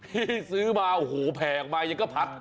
ที่ซื้อมาโอ้โหแผ่ออกมายังก็พัด